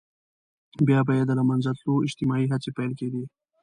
بيا به يې د له منځه تلو اجتماعي هڅې پيل کېدې.